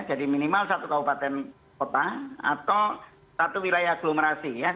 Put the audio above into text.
jadi minimal satu kabupaten kota atau satu wilayah aglomerasi ya